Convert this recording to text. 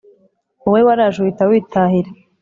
wowe waraje uhita witahira